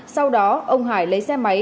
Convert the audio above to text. sau đó ông hải lấy xe máy